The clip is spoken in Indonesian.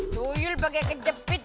tuyul pakai kejepit